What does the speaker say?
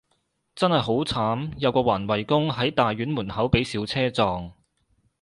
真係好慘，有個環衛工，喺大院門口被小車撞